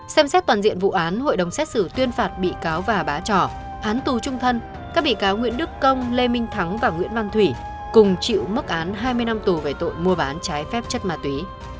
xem xét toàn diện vụ án hội đồng xét xử tuyên phạt bị cáo và bá trỏ án tù trung thân các bị cáo nguyễn đức công lê minh thắng và nguyễn văn thủy cùng chịu mức án hai mươi năm tù về tội mua bán trái phép chất ma túy